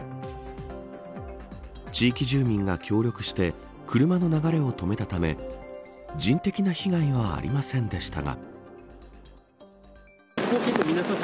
地域住民が協力して車の流れを止めたため人的な被害はありませんでしたが。